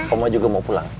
oma juga mau pulang